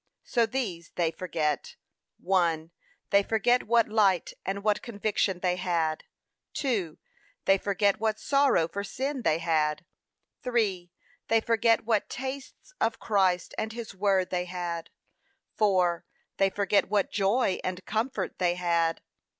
So these they forget. 1. They forget what light and what conviction they had. 2. They forget what sorrow for sin they had. 3. They forget what tastes of Christ and his word they had. 4. They forget what joy and comfort they had.